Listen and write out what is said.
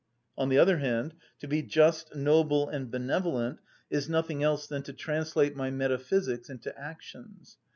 On the other hand, to be just, noble, and benevolent is nothing else than to translate my metaphysics into actions.